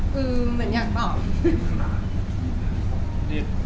คือเหมือนอยากตอบ